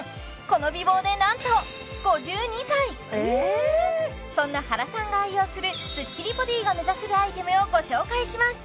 この美貌でなんと５２歳そんな原さんが愛用するスッキリボディが目指せるアイテムをご紹介します